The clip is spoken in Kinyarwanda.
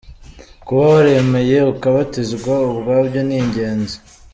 Kuba waremeye, ukabatizwa ubwabyo ni ingenzi.